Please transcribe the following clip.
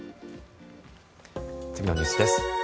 次のニュースです。